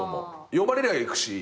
呼ばれりゃ行くし。